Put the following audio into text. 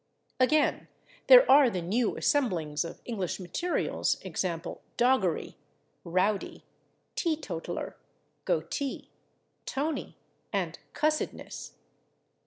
Again, there are the new assemblings of English materials, /e. g./, /doggery/, /rowdy/, /teetotaler/, /goatee/, /tony/ and /cussedness